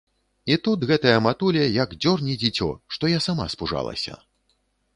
І тут гэтая матуля як дзёрне дзіцё, што я сама спужалася.